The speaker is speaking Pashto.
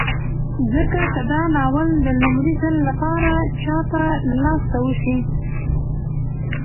ځکه که دا ناول د لومړي ځل لپاره چاته لاس ته وشي